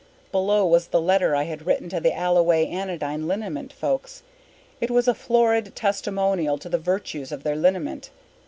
Below was the letter I had written to the Alloway Anodyne Liniment folks. It was a florid testimonial to the virtues of their liniment.